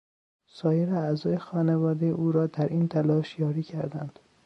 سایر اعضای خانواده او را در این تلاش یاری کردند.